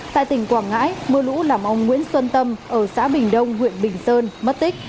tại tỉnh quảng ngãi mưa lũ làm ông nguyễn xuân tâm ở xã bình đông huyện bình sơn mất tích